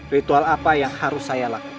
ritual apa yang harus saya lakukan